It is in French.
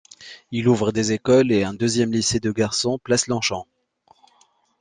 Il ouvre des écoles et un deuxième lycée de garçons, place Longchamps.